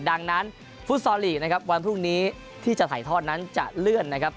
ดังนั้นฟุตซอลลีกนะครับวันพรุ่งนี้ที่จะถ่ายทอดนั้นจะเลื่อนนะครับ